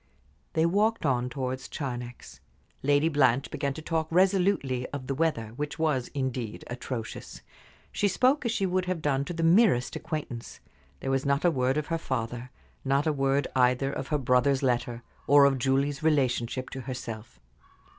They walked on towards Charnex. Lady Blanche began to talk resolutely of the weather, which was, indeed, atrocious. She spoke as she would have done to the merest acquaintance. There was not a word of her father; not a word, either, of her brother's letter, or of Julie's relationship to herself.